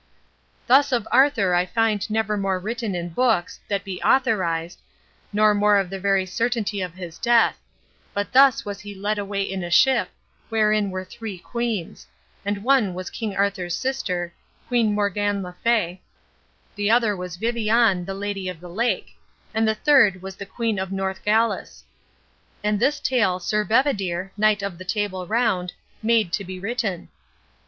Thus of Arthur I find never more written in books that be authorized, nor more of the very certainty of his death; but thus was he led away in a ship, wherein were three queens; the one was King Arthur's sister, Queen Morgane le Fay; the other was Viviane, the Lady of the Lake; and the third was the queen of North Galis. And this tale Sir Bedivere, knight of the Table Round, made to be written.